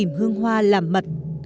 tìm hương hoa làm mật